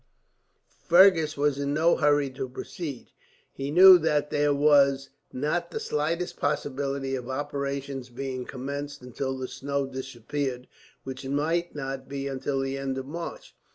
Fergus was in no hurry to proceed. He knew that there was not the smallest possibility of operations being commenced until the snow disappeared, which might not be until the end of March.